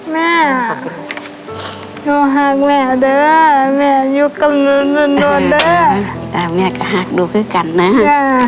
แม่ดูหากแม่เด้อแม่อยู่กำลังนั่นโดนเด้ออ่าแม่ก็หากดูด้วยกันนะอ่า